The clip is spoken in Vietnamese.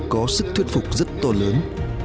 có sức thuyết phục rất to lớn